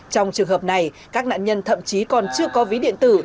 trong trường hợp này các nạn nhân thậm chí còn chưa có ví điện tử